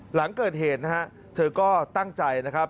หลังเกิดเหตุนะฮะเธอก็ตั้งใจนะครับ